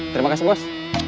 terima kasih bos